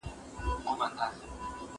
زه به اوږده موده کتابتون ته کتاب وړلی وم!؟